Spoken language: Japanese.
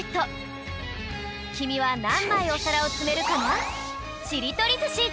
きみはなんまいおさらをつめるかな？へ